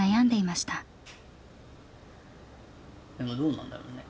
でもどうなんだろうね。